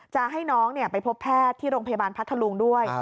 จะให้น้องไปพบแพทย์ที่โรงพยาบาลพัทธลุงด้วย